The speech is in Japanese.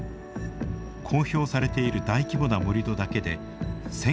公表されている大規模な盛土だけで１０００